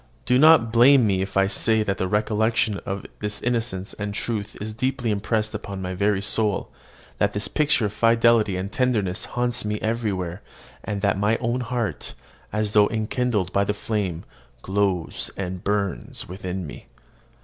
Do not blame me if I say that the recollection of this innocence and truth is deeply impressed upon my very soul; that this picture of fidelity and tenderness haunts me everywhere; and that my own heart, as though enkindled by the flame, glows and burns within me.